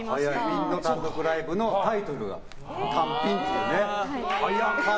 ピンの単独ライブのタイトルがタンピンっていうね。